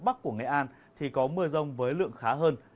bắc của nghệ an thì có mưa rông với lượng khá hơn